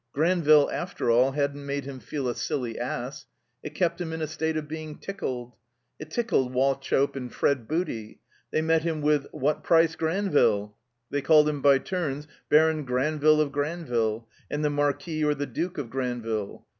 Granville, after all, hadn't made him feel a silly ass. It kept him in a state of being tickled. It tickled Wauchope and Fred Booty. They met him with "What price Granville?" They called him by turns Baron GranviUe of Granville, and the Marquis or the Duke of Granville.